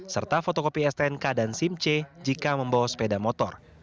serta fotokopi stnk dan simc jika membawa sepeda motor